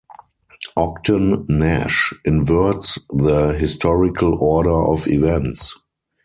Ogden Nash inverts the historical order of events.